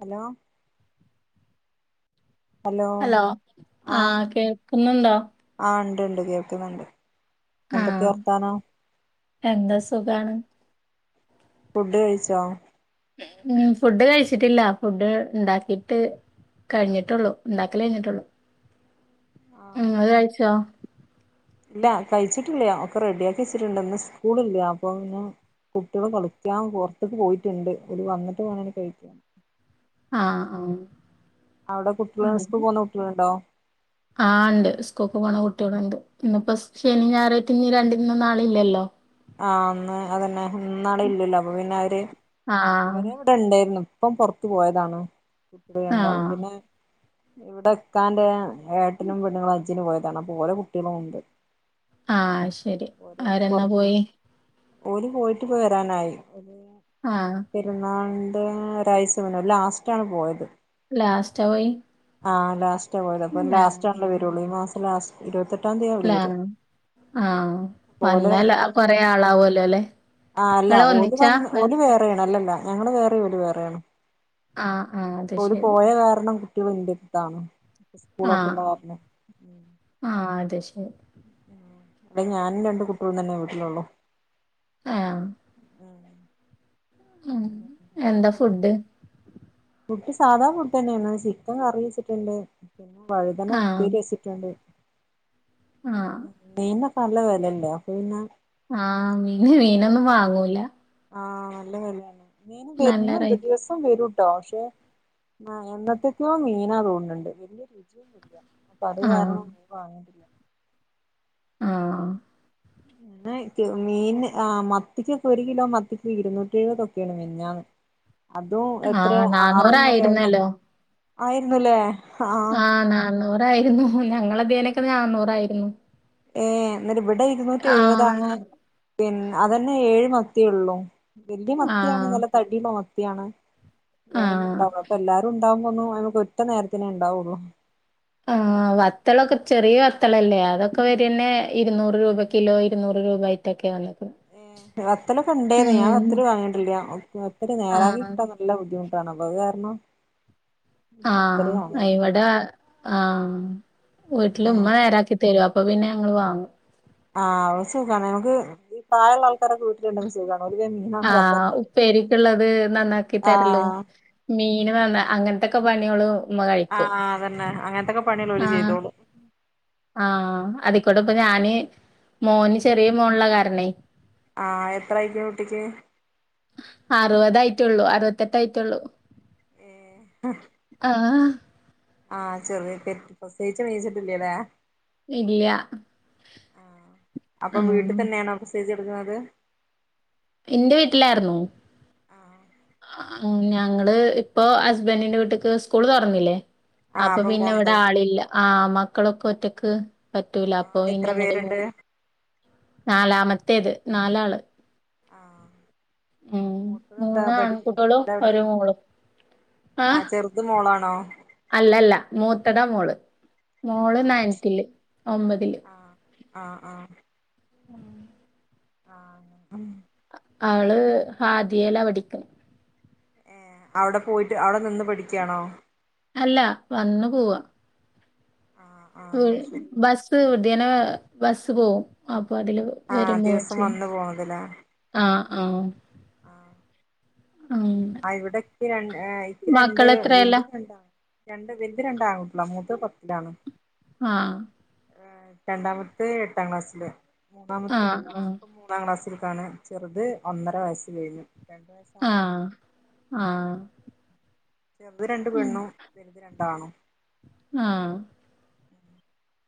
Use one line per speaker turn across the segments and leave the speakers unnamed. Hello
hello ആഹ് കേൾക്കുന്നുണ്ടോ?
ആഹ് ണ്ട് ണ്ട് കേൾക്കുന്നുണ്ട്
ആഹ്
എന്തൊക്കെയാ വർത്താനം
എന്താ സുഖാണ്
ഫുഡ് കഴിച്ചോ?
ഉം ഫുഡ് കഴിച്ചിട്ടില്ല ഫുഡ് ഇണ്ടാക്കീട്ട് കഴിഞ്ഞിട്ടൊള്ളു ഇണ്ടാക്കല് കഴിഞ്ഞിട്ടൊള്ളൂ ഉം ഇങ്ങള് കഴിച്ചോ?
ഇല്ലാ കഴിച്ചിട്ടില്ല ഒക്കെ റെഡി ആക്കി വെച്ചിട്ടുണ്ട്ന്ന് സ്കൂളില്ലാ. അപ്പൊ പിന്നെ കുട്ടികള് കളിക്കാൻ പൊറത്തേക്ക് പോയിറ്റുണ്ട് അവണ്ട് ഓല് വന്നിട്ട് വേണം കഴിക്കാൻ
ആഹ് ആഹ്
അവിടെ കുട്ട്യേള്
ആഹ്
സ്കൂള്ന്ന കുട്ട്യേളുണ്ടോ?
ആഹ് ണ്ട് സ്കൂക്ക് പോണ കുട്ട്യേളുണ്ട് ഇന്നിപ്പോ സ് ശനിം ഞായറായ്റ്റ് രണ്ട് ഇന്നും നാളില്ലല്ലോ
ആഹ് ഇന്ന് അതന്നെ ഇന്നും നാളേം ഇല്ലല്ലോ അപ്പൊ പിന്നെ അവര്
ആഹ്
ഇവരേ ഇവിടെ ഇണ്ടേര്ന്നു ഇപ്പം പൊറത്ത് പോയതാണ് രണ്ടാളും
ആഹ്
പിന്നെ ഇവിടെ ഇക്കാന്റെ ഏട്ടനും പെണ്ണ്ങ്ങളും ഹജ്ജിന് പോയതാണ് അപ്പൊ ഓലെ കുട്ട്യേളൂണ്ട്
ആഹ് ശരി അവരെന്നാ
പുറത്ത്
പോയെ?
കളി ഓല് പോയിറ്റിപ്പൊ വരാനായി
ആഹ്
പെരുന്നാളിന്റേ ഒരാഴ്ച്ച മുന്നെ ഓല് ലാസ്റ്റാണ് പോയത്
ലാസ്റ്റാ പോയി
ആഹ് ലാസ്റ്റാ പോയത് അപ്പൊ
ആഹ്
ലാസ്റ്റാണ്ല്ലോ വരൊള്ളൂ ഈ മാസം ലാസ്റ്റ് ഇര്പത്തെട്ടാംതീയതി
ലാ ആഹ്
ഓലെ
വന്നല്ലോ കൊറേ ആളാവുഅല്ലോലേ
ആഹ് അല്ല ഓല് വന്ന് ഓല് വേറേയാണ് അല്ലല്ല ഞങ്ങള് വേറെ ഓല് വേറേയാണ്
ആഹ് ആഹ് അത്
ഓല്
ശരി
പോയ കാരണം കുട്ട്യേളുണ്ട് എന്താണ്
ആഹ്
സ്കൂളൊക്കെള്ള കാര്നോ
ആഹ് അത് ശരി
ഉം ഇവ്ടെ ഞാനും രണ്ട് കുട്ട്യേളും തന്നെ വീട്ടിലൊള്ളൂ
ആഹ്
ഉം
ഉം
ഏഹ്
എന്താ
ഫുഡ്‌
ഫുഡ്
എങ്ങനെ ഫുഡ്‌ സാധാ ഫുഡ നെണ് ചിക്കൻ കറി വെച്ചിട്ട്ണ്ട് പിന്നെ വഴുതന
ആഹ്
ഉപ്പേരിയെച്ചിട്ട്ണ്ട്
ഉം ആഹ്
മീന്നൊക്കെ നല്ല വെലല്ലെ അപ്പൊ പിന്നെ
ആഹ് മീന് മീനൊന്നും വാങ്ങൂല
ആഹ് നല്ല വെലെണ് മീന്
നല്ല
ബെര്ന്ണ്ട്
റേറ്റ്
ദിവസം നിത്തം വരൂട്ടോ പക്ഷെ എന്നത്തെക്കോ മീനാതോണ് ണ്ട് വല്ല്യേ രുചിയൊന്നുല്യ ഇപ്പത്
ആഹ്
കാരണം മീന് വാങ്ങൂല്യ
ആഹ്
ആഹ് കെ മീൻന് ആഹ് മത്തിക്കൊക്കെ ഒരു കിലോ മത്തിക്ക് ഇരുന്നൂറ്റി എഴ്പതൊക്കേണ് മിഞ്ഞാന്ന് അതും
ആഹ്
എത്രയാ ആറണ്ണോ ഏഴണ്ണോ
നാന്നൂറായിരുന്നല്ലോ
ആയിരുന്നുലെ
ആഹ് നാന്നൂറായിര്ന്നു ഞങ്ങളെ ദീലൊക്കെ നാന്നൂറായ്രുന്നു
ഏഹ് ന്നട്ട് ഇബടെ ഇരുന്നൂറ്റി എഴ് വതായത്
ആഹ്
പിന്നെ അതന്നെ ഏഴ് മത്തിയൊള്ളൂ വല്ല്യേ മത്തിയാണ്
ആഹ്
നല്ല തടിള്ള മത്തിയാണ് വേറൊന്നും
ആഹ്
ണ്ടാവ് ലാ അപ്പൊ എല്ലാരും ഇണ്ടാവുമ്പോന്നും നമ്മക്ക് ഒറ്റ നേരത്തിനെ ഇണ്ടാവൊള്ളു
ആഹ് വത്തളൊക്കെ ചെറിയ വത്തളല്ലേ അതൊക്കെ വരെന്നേ ഇരുന്നൂറ് രൂപ കിലോ ഇരുന്നൂറ് രൂപ ആയിട്ടൊക്കെ വന്ന്ക്ക്ണ്
ഏഹ്‌ വത്തലൊക്കെ ഉണ്ടേന്ന് ഞാവത്തല് വാങ്ങിയിട്ടില്ല വത്ത് വത്തല്
ആഹ്
നേരാക്കിട്ടാൻ നല്ല ബുദ്ധിമുട്ടാണ് അപ്പോ അത് കാരണം വത്തല്
ആഹ്‌
വാങ്ങലില്ല
ഇവടെ ആഹ്‌ വീട്ടില്
ആഹ്
ഉമ്മ നേരാക്കിട്ക്കും തെരും അപ്പൊ പിന്നെ ഞങ്ങള് വാങ്ങും
ആഹ് അഹ്സുഖാണ് നമുക്ക് ഈ പ്രായള്ള ആൾക്കാരൊക്കെ വീട്ടില്ണ്ടാവുമ്പോ സുഖാണ് സുഖാണ് ഓല്ക്ക് പിന്നെ
ആഹ് ഉപ്പേരിക്ക്‌ള്ളത് നന്നാക്കി തര്ലും
ആഹ്
മീൻ വന്ന അങ്ങനത്തൊക്കെ പണ്യളും
ആഹ് അതന്നെ അങ്ങന് ത്തൊക്കെ പണിയാള് ഓല് ചെയ്തോളും
ആഹ്‌ അതികൂടപ്പ ഞാന് മോന് ചെറിയ മോന്ള്ള കാരണേയ്
ആഹ്‌ എത്രയിപ്പ കുട്ടിക്ക്
അറുവതായിട്ടുള്ളൂ അറുപത്തെട്ടായ്റ്റൊള്ളൂ
ഏഹ്
ആഹ്‌
ആഹ് ചെറിയ പെറ്റ് പ്രസവിച്ച് നീച്ച്ട്ട്ല്ല്യലേ
ഇല്ല്യ
ആഹ്‌ അപ്പൊ വീട്ട് തന്നെണോ പ്രസവിച്ചെട്ക്ക്ണത്
ഇന്റെ വീട്ടിലാറ്ന്നു
ആഹ്
ആഹ് ഞങ്ങള് ഇപ്പൊ ഹസ്ബന്റിന്റെ വീട്ട്ക്ക് സ്കൂള് തൊർന്നില്ലേ
ആഹ്
അപ്പൊ പിന്നെ ഇവ്ടെ
പോണ്ടേ
ആളില്ല ആഹ്‌ മക്കളൊക്കൊറ്റക്ക് പറ്റൂല
ആഹ്
അപ്പൊപിന്ന
എത്ര
ഇങ്ങട്ട്
പേരുണ്ട്
പോന്നു നാലാമത്തേത് നാലാള് ഉം
മൂത്ത തെന്താ
മൂന്ന്
പഠിക്
ആൺകുട്ടികളും
എത്രലാ
ഒരു
പഠിക്ക്ണ്
മോളും ആഹ്
ആഹ്‌ ചെർത് മോളാണോ
അല്ലല്ല മൂത്തതാ മോള് മോള്
ആഹ്
നയൺത്തില് ഒമ്പതില്
ആഹ്‌ ആഹ്‌ ആഹ്‌ ആം
അവള് ഹാദിയലാപടിക്ക്‌ണ്
ഏഹ് അവിടെ പോയിട്ട് അവിടെ നിന്ന് പഠിക്കണോ
അല്ല വന്നു പോവാ
ആഹ്‌ അ
ബസ്സ് ഇദ്യനെ ബസ്സ്‌ പോവും അപ്പതില്
ആഹ്‌ ദിവസം വന്ന് പോവുലേ
ആഹ്‌ ആഹ്‌
ആഹ്‌
അമം‌
അഹ് ഇവിടെക്ക്യരൺ ഇക്ക്രണ്ട്
മക്കളെത്രേലാ
വൽത് രണ്ടാണ് രണ്ട് വൽത് രണ്ടാകുട്ട്യാളാ മൂത്തത് പത്തിലാണ്
ആഹ്‌
രണ്ടാമത്തത് എട്ടാം ക്ലാസ്സില് മൂന്നാമത്തത്
ആഹ് ആഹ്
ഇപ്പം [inaudible] ഒന്നാം ക്ലാസ്സിൽ കാണ് ചെറുത് ഒന്നര വയസ്സ് കഴിഞ്ഞു രണ്ട് വയസ്സാവാനായി
ആഹ്‌ ആഹ്‌
ചെർത് രണ്ട് പെണ്ണും വെൽത് രണ്ടാണും
ആഹ്‌
[inaudible]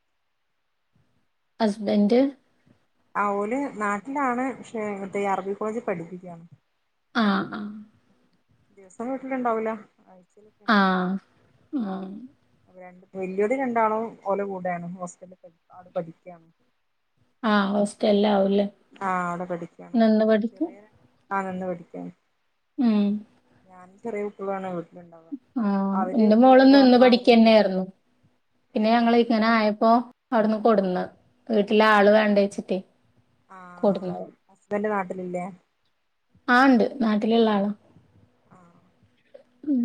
ഹസ്ബന്റ്
ആഹ് ഓല് നാട്ടിലാണ് പക്ഷേ ഇവട്ത്തെ അറബി കോളേജി പഠിപ്പിക്കാണ്
ആഹ്‌ ആഹ്‌
ദിവസം വീട്ടില് ഉണ്ടാവുല
ആഹ് ആഹ്
രണ്ട് വല്ല്യത് രണ്ടാളും ഓല കൂടെയാണ് ഹോസ്റ്റലിൽ നിന്ന് പഠിക്കാണ്
ആഹ്‌ ഹോസ്റ്റലിലാവൂല്ലേ
ആ
നിന്ന് പഠിക്ക
ആഹ് നിന്ന് പഠിക്കാണ്
ഉം
ഞാനും ചെറിയ കുട്ട്യളാണ് വീട്ടില ഇണ്ടാവുക അപ്പൊ
ആഹ്
അവര്
എന്റെ
പോയ
മോളും നിന്ന്
കാരണം അവര്
പഠിക്കന്നെയായിരുന്നു
ഏ
പിന്നെ ഞങ്ങള് ഇങ്ങനെ ആയപ്പോ അവിടുന്ന് കൊടന്ന് വീട്ടില ആള് വേണ്ട വെച്ചിട്ടേ കൊട്ന്ന
ഇവന്റെ നാട്ടിലില്ലേ
ആഹ് ഇണ്ട് നാട്ടിലുള്ള ആളാ ഉം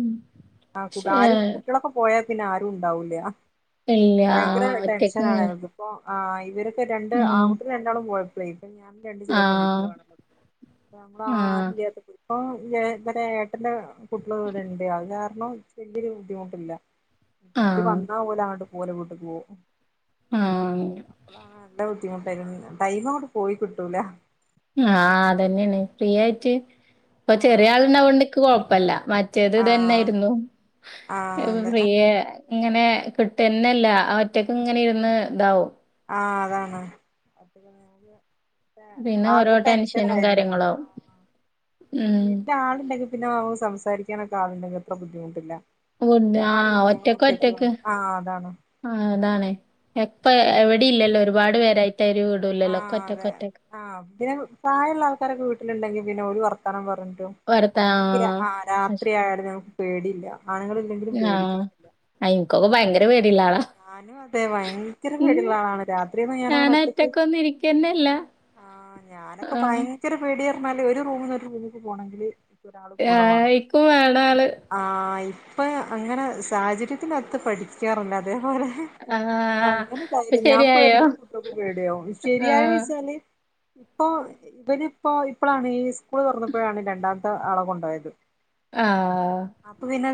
ആഹ്
പക്ഷേ
ആരും കുട്ടികളൊക്കെ പോയാൽ പിന്നെ ആരും ഉണ്ടാവൂല
ഇല്ല
ഭയങ്കര
ഒറ്റക്ക്
ടെൻഷൻ
ഇങ്ങനെ
ആണ്ത് ഇപ്പ ഇവരൊക്കെ രണ്ട്
ഉം
ആൺക്കുട്ടിക്കരണ്ടാളും പോയപ്പളേ ഇപ്പൊ ഞാൻ രണ്ട് ചെറിയെ
ആഹ്
പെൺക്കുട്ടളാണ അപ്പോ
ആഹ്
[unintelligible] ഇപ്പൊ ഏട്ടന്റെ കുട്ടികള ഇവിടെണ്ട് അത് കാരണം വല്യൊരു ബുദ്ധിമുട്ടില്ല ഓല്
ആഹ്
വന്നാ ഓല്‌ അങ്ങോട്ട് പോലെ വിട്ട് പോവും
ആഹ്
അപ്പോളാണ് നല്ല ബുദ്ധിമുട്ടായിരുന്നു ടൈം അങ്ങട്ട് പോയി കിട്ടൂലാ
ആഹ് അതന്നെയാണ് ഫ്രീ ആയിട്ട് ഇപ്പൊ ചെറിയ
ആഹ്
ആളന്നൊണ്ട്ക്ക് കൊഴപ്പല്ല മ മറ്റേത്
ആഹ്
തന്നൊയിരുന്നു
ആഹ് അതെ
പ്രിയ ഇങ്ങനെ കിട്ട്ന്നല്ല ഒറ്റക്ക ഇങ്ങനെ ഇരുന്ന് ഇതാവും
ആഹ് അതാണ്
പിന്നെ
ആ
ഓരോ ടെൻഷനും
ടെൻഷനയിരിക്കും
കാര്യങ്ങളാവും ഉം
വീട്ടില് ആളുണ്ടെങ്കി പിന്നെ നമ സംസാരിക്കാനൊക്കെ ആളണ്ടെങ്കി അത്ര ബുദ്ധിമുട്ടില്ല
ഫുഡ്
ഇവിടെ ആരും
ആഹ്
ഇല്ല ഞാൻ
ഒറ്റക്ക്
ഒറ്റക്കും
ഒറ്റക്ക്
ആണ് ആഹ് അതാണ്
ആഹ് അതാണ് എപ്പ എവിടെ ഇല്ലല്ലോ ഒരുപാട് പേരായിട്ട് ഒരു വീടുല്ലല്ലോ ഒക്കെ
ആഹ്
ഒറ്റക്ക്
അതെ
ഒറ്റക്ക്
ആഹ് പിന്നെ പ്രായമുള്ള ആൾക്കാരൊക്കെ വീട്ടിലുണ്ടെങ്കി പിന്നെ ഓര് വർത്താനം പറഞ്ഞിട്ടും
വർത്താ
നമ്മക്ക് ര ആഹ് രാത്രി
പക്ഷെ
ആയാലും നമുക്ക് പേടിയില്ല ആണുങ്ങൾ
ആഹ് എനിക്കൊക്കെ ഭയങ്കര പേടി ഉള്ള ആളാ
ഞാനും അതെ ഭയങ്കര പേടിയള്ള ആളാണ് രാത്രി ഒന്നും ഞാനങ്ങനെ ഒ
ഒറ്റക്ക് ഒന്നും ഇരിക്കനില്ല
ആഹ് ഞാനൊക്കെ ഭയങ്കര പേടിയ പറഞ്ഞാല് ഒരു റൂമിന്ന് ഒരു റൂമിക്ക് പോണങ്കില്
ഏഹ് എക്കും വേണല്
ആഹ് ഇപ്പം അങ്ങനെ സാഹചര്യത്തിനത്ത് പഠിക്കാറുണ്ട് അതേപോലെ
ആഹ്
അങ്ങനെ
ഇപ്പൊ
തയര് ഞാൻ
ശരിയായോ
പേടിക്കുമ്പോൾ കുട്ടക്കെ പേടിയാകും
ആഹ്
ശെരിയായചോച്ചാല് ഇപ്പോ ഇവനിപ്പോ ഇപ്പോഴാണ് ഈ സ്കൂൾ തുറന്നപ്പോഴാണ് രണ്ടാമത്തെ ആളെ കൊണ്ടയത്
ആഹ്
അപ്പൊ പിന്നെ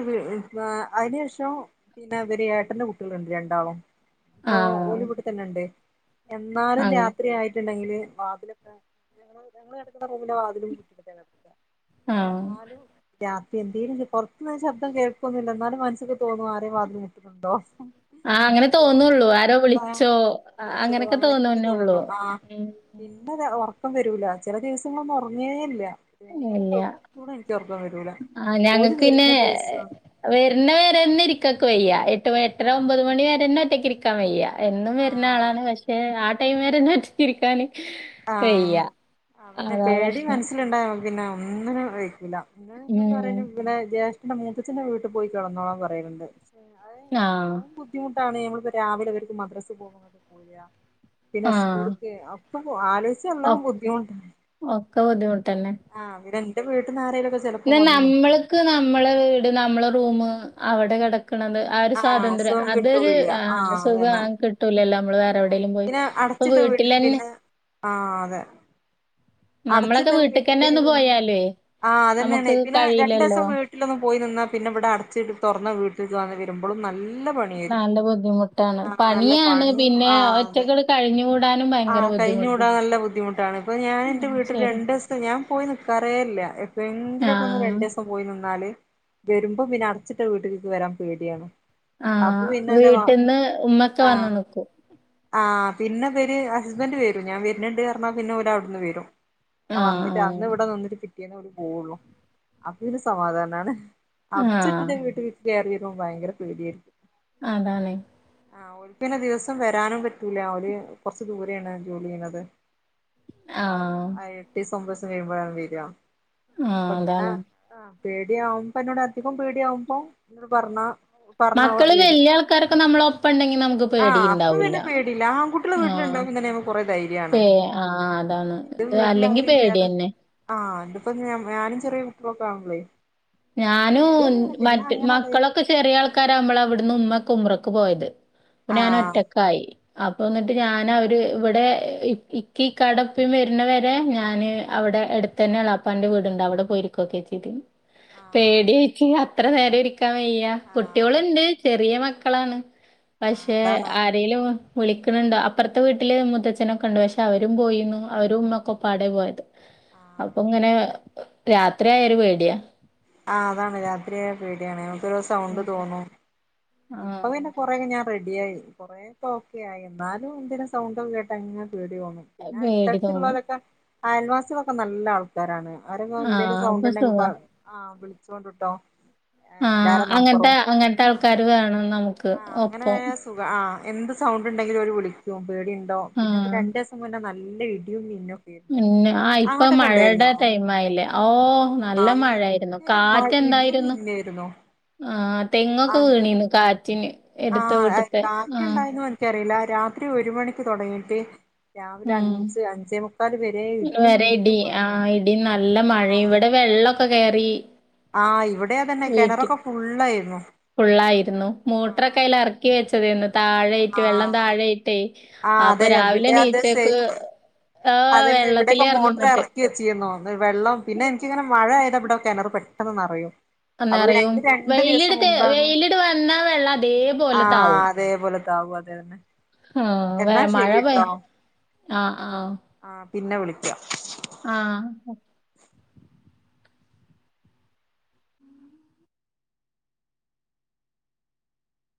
അതിനു ശേഷം പിന്നെ ഇവര് ഏട്ടന്റെ കുട്ടികളുണ്ട് രണ്ടാളും ഇപ്പൊ
ആഹ്
ഓലിവിടെ തന്നെ ഉണ്ട് എന്നാലും
അങ്
രാത്രി ആയി ണ്ടെങ്കിൽ വാതിലക്ക ഞങ്ങള്ക്കുന്ന റൂമിലെ വാതില് കട്ട
ആഹ്
എന്നാലും രാത്രി എന്തേലും പൊറത്തുന്ന ശബ്ദം കേൾക്കൊന്നില്ല എന്നാലും മനസ്സക്ക് തോന്നും ആരേ വാതില് മുട്ടുന്നുണ്ടോ
ആഹ് അങ്ങനെ
ഓരോ
തോന്നുള്ളു ആരോ
ആഹ്
വിളിച്ചോ
വിളിച്ചോ
അങ്ങനൊക്കെ
അങ്ങനെയൊക്കെ
തോന്നുന്നേള്ളൂ
തോന്നും ആഹ്
ഉം
പിന്നെ ഉറക്കം വരൂല ചില ദിവസങ്ങളൊന്നും ഉറങ്ങേ ഇല്ല നേരെ
ഇല്ല
കുറച്ച കൂടെ എനക്ക് ഉറക്കം വരൂല
ആഹ്
ഓല്
ഞങ്ങക്ക് പിന്നെ
വരുന്ന ദിവസവാ
വരുന്ന വര ഇരിക്കൊക്ക് വയ്യാ എട്ട് മ എട്ടര
ആഹ്
ഒമ്പത് മണി വരെന്നെ ഒറ്റയ്ക്ക് ഇരിക്കാൻ വയ്യാ എന്നും വരുന്ന
ആഹ്
ആളാണ് പക്ഷെ ആ ടൈവരെട്ടിച്ചിരിക്കാന് വയ്യ
ആഹ് അവനെ
അതാ
പേടി
പ്രശ്നം
മനസ്സിലുണ്ടായ പിന്നെ ഒന്നിനും വഴക്കില്ല അന്നേരം എന്നോട്
ഉം
പറയ പിന്നെ ജേഷ്ഠന്റെ മൂത്തച്ഛന്റെ വീട്ടി പോയി കിടന്നോളാൻ പറയലുണ്ട്
ആഹ്
ബുദ്ധിമുട്ടാണേ നമ്മളിപ്പോ രാവിലെ അവർക്ക് മദ്രസെ പോക പോര പിന്നെ
ആഹ്
സ്കൂളുക്കെ ഒക്കെ ആലോജിച്ച
ഒ
എല്ലാം ബുദ്ധിമുട്
ഒക്കെ ബുദ്ധിമുട്ടന്നെ
ആഹ് പിന്നെ എന്റെ വീട്ടന്നാരേലുക്കെ
പിന്ന നമ്മൾക്ക് നമ്മളെ വീട് നമ്മളെ റൂം അവിടെ കിടക്കണത് ആഹ് ഒരു സ്വാതന്ത്ര്യം
അസുഖം
അതൊരു
കിട്ടൂല്ല
ആഹ്
അതന്നെ
സുഖം കിട്ടൂലല്ലോ നമ്മള് വേ എവിടെേലും പോയി
പിന്നെ
അപ്പൊ
അടച്ചിട്ട വീട്ടില്
വീട്ടിലന്നെ
പിന്നെ ആഹ് അതെ അടച്ചിട്ട
നമ്മളൊക്കെ വീട്ടിക്കന്നെ
വീട്ടില്
ഒന്ന് പോയാലേ
ആഹ് അതനെയാണ്
നമുക്ക്
പിന്നെ
കഴിയില്ലല്ലോ.
രണ്ടസം വീട് ട്ടിലൊന്ന് പോയി നിന്ന പിന്നെ ഇവി അടച്ച്ട് തുറന്ന വീട്ടിൽ അ വരുമ്പോളും നല്ല പണിയായിരിക്കും
നല്ല ബുദ്ധിമുട്ടാണ്.
ആഹ് നല്ല പണിയും ആഹ് അതെ
കഴിഞ്ഞൂ
ആഹ് കഴിഞ്ഞ് കൂടാൻ നല്ല ബുദ്ധിമുട്ടാണ് ഇപ്പൊ ഞാൻ എന്റെ
ഉം
വീട്ടില്
ശരി.
രണ്ടു ദിവസം ഞാൻ പോയി നിക്കാറേല്ല എങ്കിലൊക്ക ഒന്ന്
ആഹ്
രണ്ട് ദസ പോയി നിന്നാല് വരുമ്പം പിന്നെ അടച്ചിട്ട് വീട്ടിലേക്ക് വരാൻ പേടിയാണ് അപ്പൊ
ആഹ്
പിന്നെ എന്റെ വാ
വീട്ട്ന്ന് ഉമ്മക്കെ വന്ന്
ആഹ്
നിക്കു.
ആഹ് പിന്നെവര് ഹസ്ബൻഡ് വരും ഞാൻ വര്നുണ്ട് പറഞ്ഞാ പിന്നെ ഓര് അവ്ട്ന്ന് വരും. അ വന്നിട്ട്
ആഹ്
അന്ന് ഇവിടെ നിന്നിട്ട് പിറ്റേന്ന് ഓല് പോവുള്ളു അപ്പൊ ഇത് സമാധാനാണ്.
ആഹ്
അടച്ചിട്ടിട്ട
ആഹ്
വീട്ടിലേക് വീട്ട് കയറി വരുമ്പം ഭയങ്കര പേടിയായിരിക്കും.
അതാണെയ്.
ആഹ് ഓൽക്ക് പിന്നെ ദിവസം വരാനും പറ്റൂല ഓല് കൊറച്ചു ദൂരെയാണ് ജോലി ചെയ്യുന്നത്. ആ
ആഹ്
അയ് എട്ടിസം ഒമ്പസം കഴിയുമ്പഴാണ് വര്വാ
ആഹ്
അപ്പെങ്ങന.
അതാണ്.
ആഹ് പേടിയാവുമ്പ എന്നോട് അധികം പേടിയാവുമ്പൊ [unintelligible] പറഞ്ഞാ. പറഞ്ഞ വ
മക്കള്
വരും
വല്യ ആൾക്കാരൊക്കെ നമ്മളൊപ്പം ഉണ്ടെങ്കി നമുക്ക്
ആഹ് അപ്പ
പേടിയുണ്ടാവൂല്ല.
പിന്നെ പേടില്ല ആങ്കു ക്കള്
ആ
വീട്ടിലുണ്ടാവുമ്പ തന്നെ നമുക്ക് കൊറെ ധൈര്യാണ്
പേ ആ അതാണ്.
ഇത് വീട്ട്ല്
അല്ലെങ്കി
ആരുല്ലാതെ.
പേടിയന്നെ.
ആഹ് ഇതിപ്പന്ന്ഞ ഞാനും ചെറിയ കുട്ടികളൊക്കെ ആവുമ്പളേ.
ഞാനൂ
പേടിയന്നെയാണ് പിന്നെ
മറ്റ്
അങ്ങനെ അത്
മക്കളൊക്കെ ചെറിയ ആൾക്കാരാുമ്പള ഇവട്ന്ന് ഉമ്മക്കെ ഉംറക്ക് പോയത്. അപ്പ
ആ
ഞാനൊറ്റക്കായി. അപ്പൊ എന്നിട്ട് ഞാൻ അവര് ഇവിടെ ഇക്കിം ഇക്കാടെപ്പിം വരുന്നവരെ ഞാന് അവിടെ എടു ത്തന്നെ എളാപ്പാന്റെ വീടുണ്ട് അവിടെ പോയിരിക്കോക്കെ ചെയ്തിന്.
ആ
പേടി ഇൻച്ച് അത്ര നേരം ഇരിക്കാൻ വയ്യാ
ആ
കുട്ടികളുണ്ട് ചെറിയ മക്കളാണ്.
ആ
പക്ഷെ
അതാണ്
ആ രേലു വിളിക്ക്ണണ്ട് അപ്പുറത്തെ വീട്ടില് മുത്തച്ഛനൊക്കണ്ട് പക്ഷെ അവരും പോയിന്നു അവരും ഉമ്മക്കെപ്പാടെ പോയത്.
ആ
അപ്പൊങ്ങനെ രാത്രി ആയ ഒരു പേടിയാ.
ആഹ് അതാണ് രാത്രിയായ പേടിയാണ് നമ്ക്കൊരു സൗണ്ട്
ഉം
തോന്നും ഇപ്പ പിന്നെ
ആഹ്
കുറെ ഞാൻ റെ ഡ്യായി കൊറേക്കെ ഓക്കെയായി എന്നാലും ഇന്തിനെ സൗണ്ടൊക്ക കേട്ടാങ്ങനെ പേടി തോന്നും. പിന്നെ
പേടി തോന്നും
അടുത്തടുത്തുള്ളവലൊക്കെ അയൽവാസികളൊക്കെ നല്ലാൾ കാരാണ് ആരെങ്ങു
ആഹ്
എന്തേലും
അപ്പൊ
സൗണ്ട്ണ്ടെങ്കിൽ പ
സുഖാ
ആ വിളിച്ചോണ്ട്ട്ടോ.
ആഹ് അങ്ങനത്തെ അങ്ങനത്തെ ആൾക്കാര് വേണം നമു
ആഹ് അങ്ങനെയ സുഖം ആഹ് എന്ത് സൗണ്ട്ണ്ടെങ്കിലും ഒരു വിളി ക്കും പേടിണ്ടോ പിന്നെപ്പൊ
ആഹ്
രണ്ട് ദിവസം മുന്നെ നല്ല ഇടിയും മിന്നും.
പിന്നെ ആഹ് ഇപ്പം മഴടെ ടൈം ആയിലേ ഓ
ആഹ്
നല്ല മഴായിരുന്നു.
ഭയങ്കര മ ഇടിയും മിന്നായിരുന്നു.
ആഹ് തെങ്ങൊക്കെ
ആഹ്
വീണീന്ന് കാറ്റിന് എടുത്ത വീട്ടത്തെ ആഹ്.
ക്ക്യറിയില രാത്രി ഒരു മണിക്ക് തുടങ്ങിട്ട്. രാവിലെ
ഉം
അഞ്ച് അഞ്ചേ മുക്കാല് വരെ ഇടിയും
വരെ
മിന്നും
ഇടി
മഴെം
ആഹ് ഇടി നല്ല മഴയും
ആഹ്.
ഇവിടെ വെള്ളൊക്കെ കയറി.
ആഹ് ഇവിടെ അതന്നെ കിണറൊക്കെ ഫുള്ളായിരുന്നു.
ഫുള്ളായിരുന്നു മോട്ടറെക്കെ
ആഹ്
അയ്ല് ഇറക്കി വെച്ചതെന്നു. താഴെയിട്ട് വെള്ളം
ആഹ്
താഴെയിട്ടേ അപ്പൊ
അതെ
രാവിലെ
ഇവിടെ അതെ
എനീച്ചക്ക്.
സെയിം
ആഹ് വെള്ളത്തിലെർന്നു എന്നിട്ട്.
ചെയ്യുന്നോ വെ വെള്ളം പിന്നെ എനിക്കിങ്ങനെ മഴയാല ഇവിടെ കിണർ പെട്ടെന്ന് നറയും. അപ്പൊ പിന്നെ
നെറയും.
അതിൻ്റെ രണ്ടു ദിവസം
വെയിലെടുത്ത്
മുമ്പാണ്
വെയിലിട് വന്നാ വെള്ളം
ആഹ്
അതേപോലത്താവും.
അതേപോലെ. [unintelligible] അതെ തന്നെ
ആഹ് വേ
എന്നാ
മഴ പെ
ശരിട്ടോ
ആഹ് ആഹ്.
ആഹ് പിന്നെ വിളിക്ക്യ.
ആഹ്.